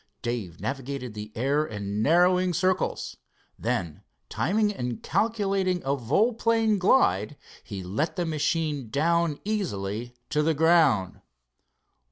Dave navigated the air in narrowing circles. Then, timing and calculating a volplane glide, he let the machine down easily to the ground.